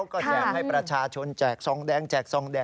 ก็แย่งให้ประชาชนแจกทรงแดงแจกทรงแดง